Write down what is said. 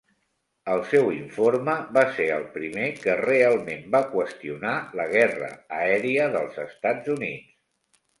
El seu informe va ser el primer que realment va qüestionar la guerra aèria dels Estats Units.